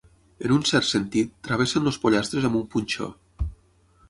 En un cert sentit, travessen els pollastres amb un punxó.